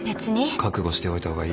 覚悟しておいた方がいいよ。